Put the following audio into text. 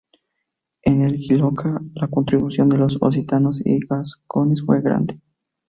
En el Jiloca, la contribución de los occitanos y gascones fue grande.